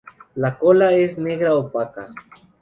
La cola es negra opaca.